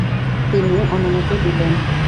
তিনি অনুমতি দিলেন।